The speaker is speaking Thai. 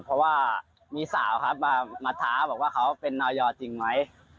เพราะว่ามีสาวครับมามาถามเมาหรือเป็นน้อยยอจริงไหม